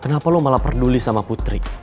kenapa lo malah peduli sama putri